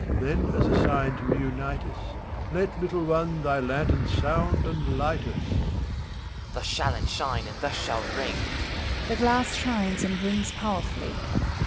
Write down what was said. Then, as a sign to reunite us. Let, little one, thy lantern sound and light us ! HOMUNCULUS. Thus shall it shine, and thus shall ring I {The glass shines and rings powerfully.)